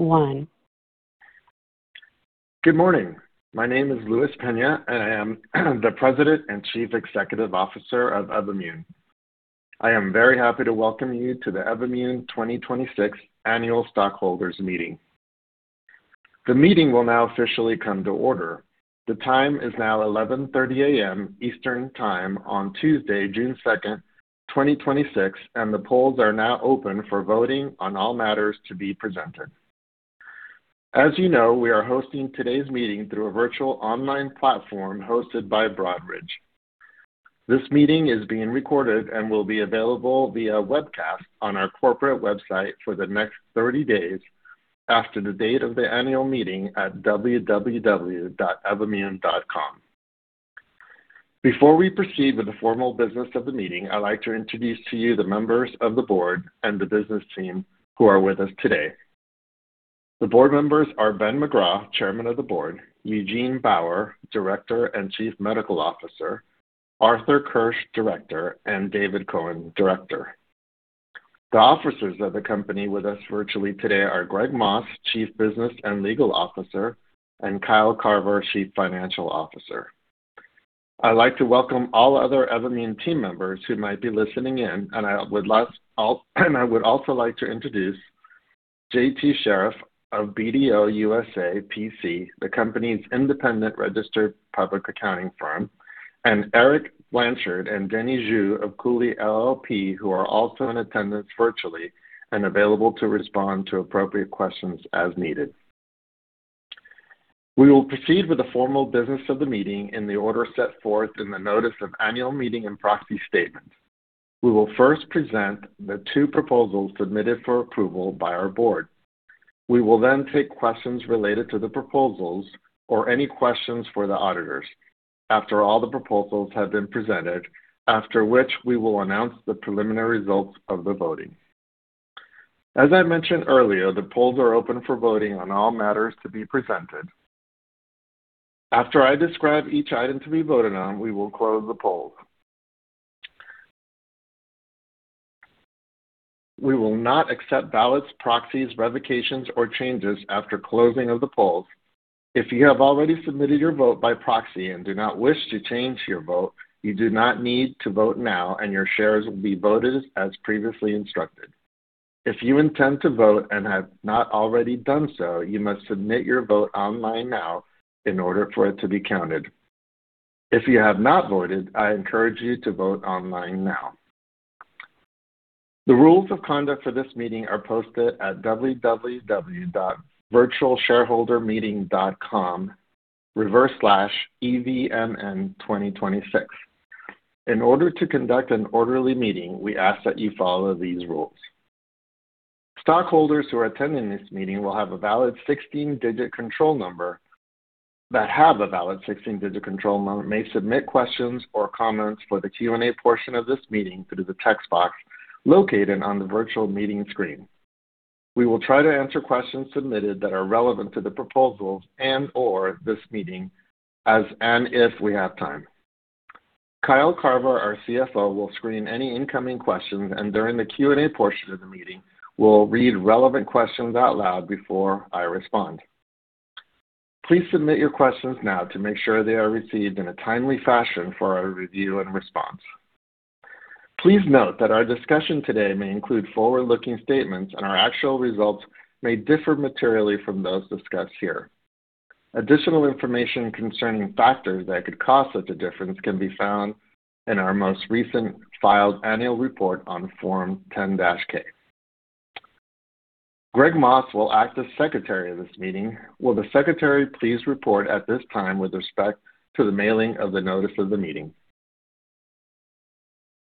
One. Good morning. My name is Luis Peña, and I am the President and Chief Executive Officer of Evommune. I am very happy to welcome you to the Evommune 2026 Annual Stockholders Meeting. The meeting will now officially come to order. The time is now 11:30 A.M. Eastern Time on Tuesday, June 2nd, 2026, and the polls are now open for voting on all matters to be presented. As you know, we are hosting today's meeting through a virtual online platform hosted by Broadridge. This meeting is being recorded and will be available via webcast on our corporate website for the next 30 days after the date of the annual meeting at www.evommune.com. Before we proceed with the formal business of the meeting, I'd like to introduce to you the members of the Board and the business team who are with us today. The board members are Ben McGraw, Chairman of the Board, Eugene Bauer, Director and Chief Medical Officer, Arthur Kirsch, Director, and David Cohen, Director. The officers of the company with us virtually today are Greg Moss, Chief Business and Legal Officer, and Kyle Carver, Chief Financial Officer. I'd like to welcome all other Evommune team members who might be listening in, and I would also like to introduce JT Scheriff of BDO USA, P.C., the company's independent registered public accounting firm, and Eric Blanchard and Denny Zhu of Cooley LLP, who are also in attendance virtually and available to respond to appropriate questions as needed. We will proceed with the formal business of the meeting in the order set forth in the notice of annual meeting and proxy statement. We will first present the two proposals submitted for approval by our board. We will then take questions related to the proposals or any questions for the auditors after all the proposals have been presented, after which we will announce the preliminary results of the voting. As I mentioned earlier, the polls are open for voting on all matters to be presented. After I describe each item to be voted on, we will close the polls. We will not accept ballots, proxies, revocations, or changes after closing of the polls. If you have already submitted your vote by proxy and do not wish to change your vote, you do not need to vote now, and your shares will be voted as previously instructed. If you intend to vote and have not already done so, you must submit your vote online now in order for it to be counted. If you have not voted, I encourage you to vote online now. The rules of conduct for this meeting are posted at www.virtualshareholdermeeting.com/evmm2026. In order to conduct an orderly meeting, we ask that you follow these rules. Stockholders who are attending this meeting that have a valid 16-digit control number may submit questions or comments for the Q&A portion of this meeting through the text box located on the virtual meeting screen. We will try to answer questions submitted that are relevant to the proposals and/or this meeting as and if we have time. Kyle Carver, our CFO, will screen any incoming questions, and during the Q&A portion of the meeting, we'll read relevant questions out loud before I respond. Please submit your questions now to make sure they are received in a timely fashion for our review and response. Please note that our discussion today may include forward-looking statements, and our actual results may differ materially from those discussed here. Additional information concerning factors that could cause such a difference can be found in our most recent filed annual report on Form 10-K. Greg Moss will act as Secretary of this meeting. Will the Secretary please report at this time with respect to the mailing of the notice of the meeting?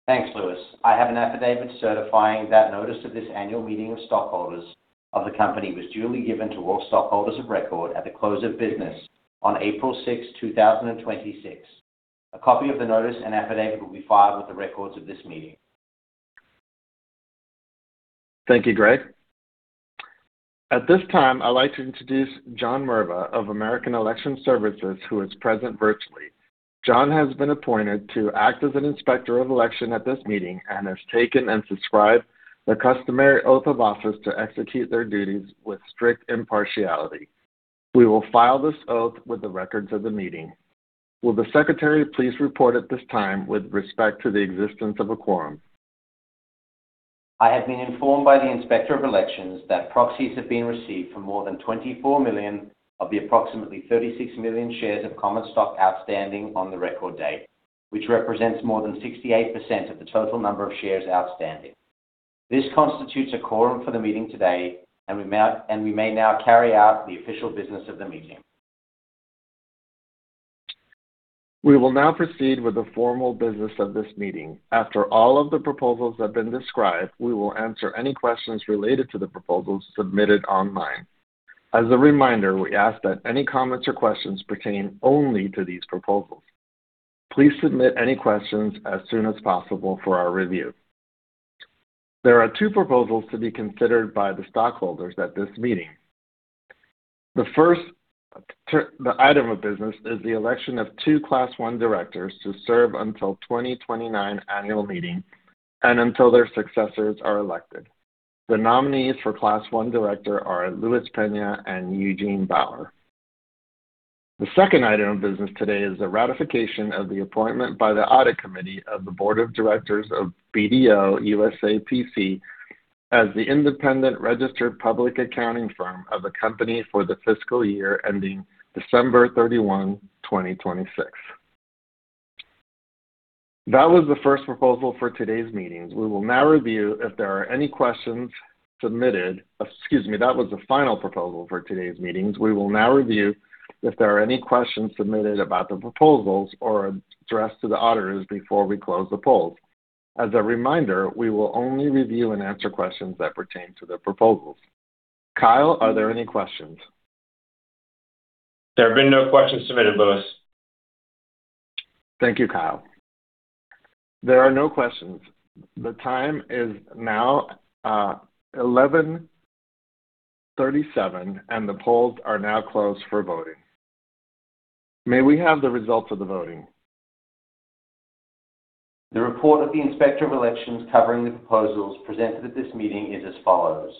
Thanks, Luis. I have an affidavit certifying that notice of this annual meeting of stockholders of the company was duly given to all stockholders of record at the close of business on April 6th, 2026. A copy of the notice and affidavit will be filed with the records of this meeting. Thank you, Greg. At this time, I'd like to introduce John Merva of American Election Services, who is present virtually. John has been appointed to act as an Inspector of Election at this meeting and has taken and subscribed the customary oath of office to execute their duties with strict impartiality. We will file this oath with the records of the meeting. Will the Secretary please report at this time with respect to the existence of a quorum? I have been informed by the Inspector of Elections that proxies have been received for more than 24 million of the approximately 36 million shares of common stock outstanding on the record date, which represents more than 68% of the total number of shares outstanding. This constitutes a quorum for the meeting today, and we may now carry out the official business of the meeting. We will now proceed with the formal business of this meeting. After all of the proposals have been described, we will answer any questions related to the proposals submitted online. As a reminder, we ask that any comments or questions pertain only to these proposals. Please submit any questions as soon as possible for our review. There are two proposals to be considered by the stockholders at this meeting. The first item of business is the election of two Class 1 directors to serve until 2029 annual meeting and until their successors are elected. The nominees for Class 1 director are Luis Peña and Eugene Bauer. The second item of business today is the ratification of the appointment by the Audit Committee of the board of directors of BDO USA, P.C. as the independent registered public accounting firm of the company for the fiscal year ending December 31, 2026. That was the first proposal for today's meetings. We will now review if there are any questions submitted. Excuse me, that was the final proposal for today's meetings. We will now review if there are any questions submitted about the proposals or addressed to the auditors before we close the polls. As a reminder, we will only review and answer questions that pertain to the proposals. Kyle, are there any questions? There have been no questions submitted, Luis. Thank you, Kyle. There are no questions. The time is now 11:37 A.M., and the polls are now closed for voting. May we have the results of the voting? The report of the Inspector of Elections covering the proposals presented at this meeting is as follows.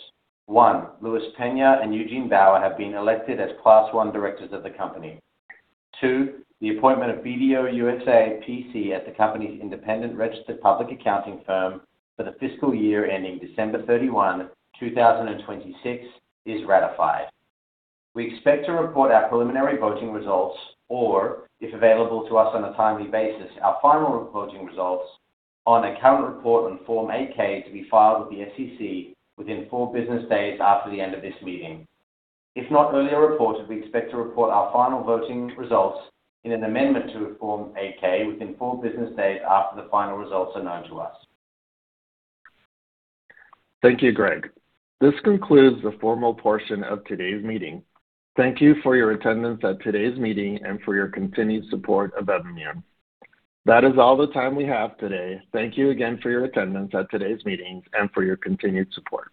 One, Luis Peña and Eugene Bauer have been elected as Class 1 directors of the company. Two, the appointment of BDO USA, P.C. as the company's independent registered public accounting firm for the fiscal year ending December 31, 2026 is ratified. We expect to report our preliminary voting results, or if available to us on a timely basis, our final voting results on a current report on Form 8-K to be filed with the SEC within four business days after the end of this meeting. If not earlier reported, we expect to report our final voting results in an amendment to a Form 8-K within four business days after the final results are known to us. Thank you, Greg. This concludes the formal portion of today's meeting. Thank you for your attendance at today's meeting and for your continued support of Evommune. That is all the time we have today. Thank you again for your attendance at today's meeting and for your continued support.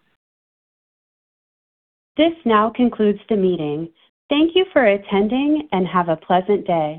This now concludes the meeting. Thank you for attending and have a pleasant day.